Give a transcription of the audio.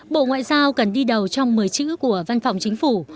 bộ ngoại giao cần đi đầu trong một mươi chữ của văn phòng chính phủ